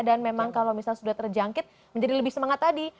dan memang kalau misalnya sudah terjangkit menjadi lebih semangat tadi